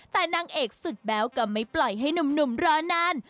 แต่นางเอกสุดแบ๊วก็ไม่ปล่อยให้หนุ่มรอนาน